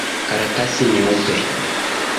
Karatasi nyeupe.